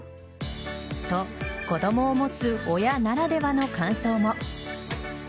と、子供を持つ親ならではの感想も。